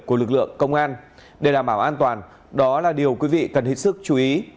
thực lượng công an để đảm bảo an toàn đó là điều quý vị cần hết sức chú ý